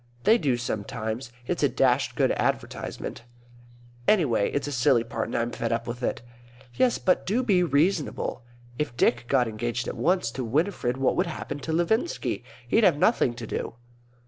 "They do sometimes; it's a dashed good advertisement. Anyway, it's a silly part, and I'm fed up with it." "Yes, but do be reasonable. If Dick got engaged at once to Winifred what would happen to Levinski? He'd have nothing to do."